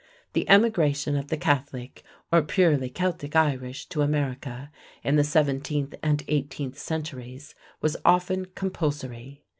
The emigration of the Catholic or purely Celtic Irish to America in the seventeenth and eighteenth centuries was often compulsory.